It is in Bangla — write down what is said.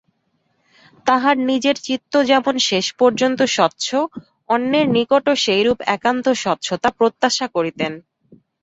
তাঁহার নিজের চিত্ত যেমন শেষ পর্যন্ত স্বচ্ছ অন্যের নিকটও সেইরূপ একান্ত স্বচ্ছতা প্রত্যাশা করিতেন।